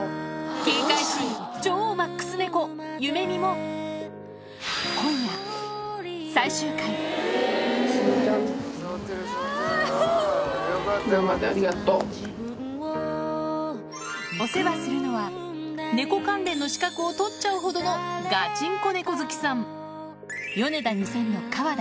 警戒心超マックス猫ゆめみもお世話するのは猫関連の資格を取っちゃうほどのガチンコ猫好きさん